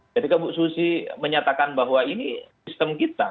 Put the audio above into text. jadi kan bu susi menyatakan bahwa ini sistem kita